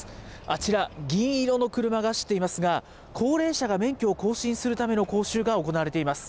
あちら、銀色の車が走っていますが、高齢者が免許を更新するための講習が行われています。